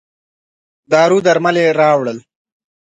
دارو درمل یې راووړل.